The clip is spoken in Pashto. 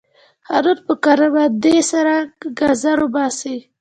هارون په کرندي سره ګازر وباسي.